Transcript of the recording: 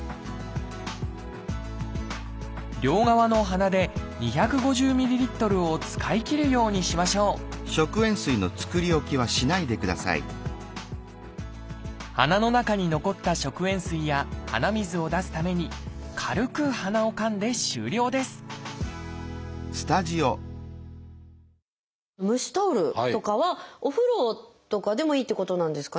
両側の鼻で２５０ｍＬを使いきるようにしましょう鼻の中に残った食塩水や鼻水を出すために蒸しタオルとかはお風呂とかでもいいってことなんですかね。